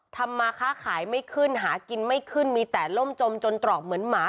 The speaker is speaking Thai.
ทำมาค้าขายไม่ขึ้นหากินไม่ขึ้นมีแต่ล่มจมจนตรอกเหมือนหมา